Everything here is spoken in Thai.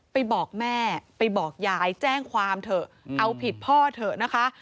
บอกแม่ไปบอกยายแจ้งความเถอะเอาผิดพ่อเถอะนะคะ